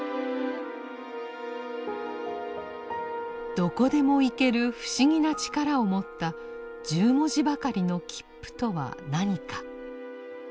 どこでも行ける不思議な力を持った１０文字ばかりの「切符」とは何か。